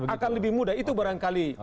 akan lebih mudah itu barangkali